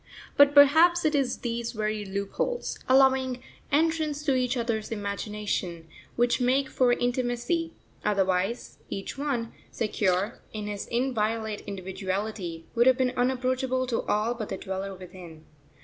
But perhaps it is these very loopholes, allowing entrance to each other's imagination, which make for intimacy; otherwise each one, secure in his inviolate individuality, would have been unapproachable to all but the Dweller within.